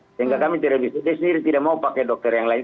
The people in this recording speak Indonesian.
sehingga kami tidak bisa sendiri tidak mau pakai dokter yang lain